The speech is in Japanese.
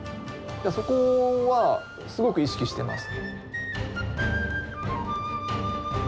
そこはすごく意識してます。